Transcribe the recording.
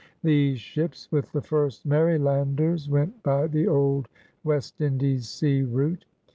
These ships, with the first Marylanders, went by the old West Lidies sea route.